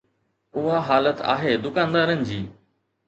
اها حالت آهي دڪاندارن جي.